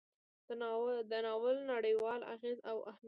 د ناول نړیوال اغیز او اهمیت: